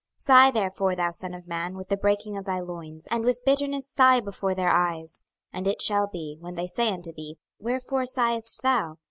26:021:006 Sigh therefore, thou son of man, with the breaking of thy loins; and with bitterness sigh before their eyes. 26:021:007 And it shall be, when they say unto thee, Wherefore sighest thou?